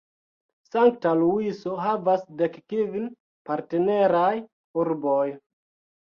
Sankta Luiso havas dek kvin partneraj urboj.